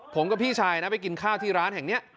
ผมกับพี่ชายนะไปกินข้าวที่ร้านแห่งนี้